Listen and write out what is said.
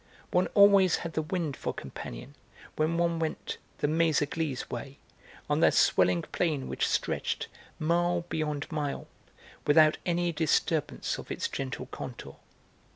One always had the wind for companion when one went the 'Méséglise way,' on that swelling plain which stretched, mile beyond mile, without any disturbance of its gentle contour.